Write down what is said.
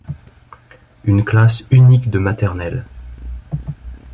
Une classe unique de maternelle.